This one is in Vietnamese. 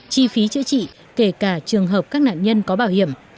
chi phí chữa trị kể cả trường hợp các nạn nhân có bảo hiểm